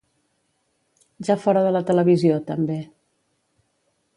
Ja fora de la televisió, també.